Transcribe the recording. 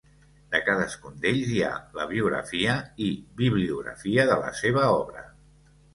De cadascun d'ells hi ha la biografia i bibliografia de la seva obra.